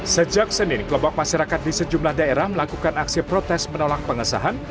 sejak senin kelompok masyarakat di sejumlah daerah melakukan aksi protes menolak pengesahan